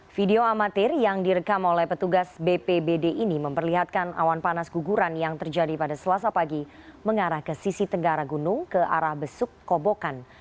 video amatir yang direkam oleh petugas bpbd ini memperlihatkan awan panas guguran yang terjadi pada selasa pagi mengarah ke sisi tenggara gunung ke arah besuk kobokan